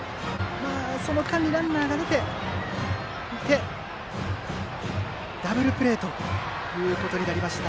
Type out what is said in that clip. その間にランナーが出てダブルプレーとなりました。